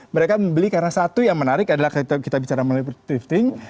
mereka membeli karena satu yang menarik adalah kita bicara melalui thrifting